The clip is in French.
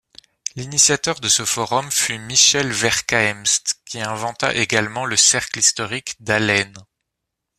L'initiateur de ce forum fut Michel Vercaemst qui inventa également le cercle historique d'Hallennes.